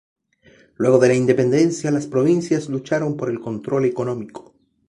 Luego de la independencia las provincias lucharon por el control económico.